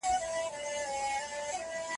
وچه میوه هم ګټه لري.